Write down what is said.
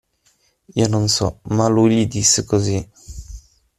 Io non so, ma lui gli disse così.